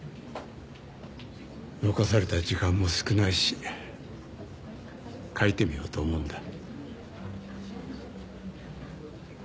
残された時間も少ないし書いてみようと思うんだ。